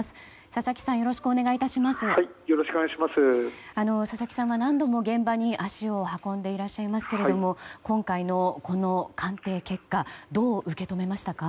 佐々木さんは何度も現場に足を運んでいらっしゃいますけども今回の、この鑑定結果どう受け止めましたか？